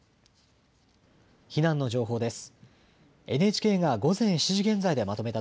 避難の情報です。